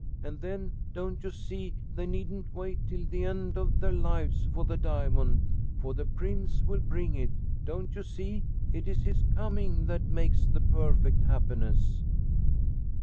And then, don't you see, they needn't wait till the end of their lives for the diamond, for the prince will bring it! Don't you see? It is his coming that makes the perfect happiness!"